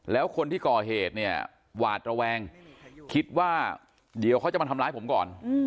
แล้วคนที่ก่อเหตุเนี่ยหวาดระแวงคิดว่าเดี๋ยวเขาจะมาทำร้ายผมก่อน